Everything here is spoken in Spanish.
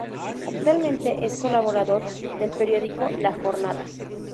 Actualmente es colaborador del periódico La Jornada.